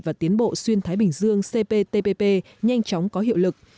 và tiến bộ xuyên thái bình dương cptpp nhanh chóng có hiệu lực